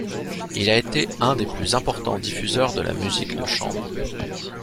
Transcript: Il a été un des plus importants diffuseurs de la musique de chambre.